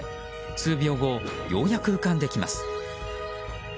数秒後、ようやく浮かんできます。